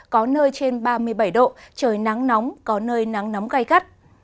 có nơi trên ba mươi bảy độ trời nắng nóng có nơi nắng nóng gai gắt